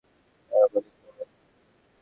তার মনে পড়ো।